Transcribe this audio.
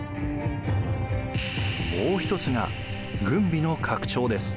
もう一つが軍備の拡張です。